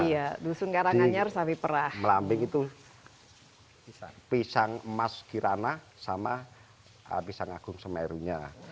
iya dusun karanganyar sapi perah melambing itu pisang emas kirana sama pisang agung semerunya